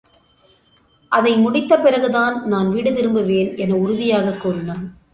அதை முடித்த பிறகுதான், நான் வீடு திரும்புவேன் என உறுதியாகக் கூறினான்.